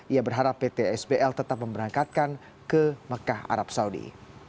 ia berharap pt sbl tetap memberangkatkan ke mekah arab saudi